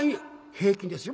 平均ですよ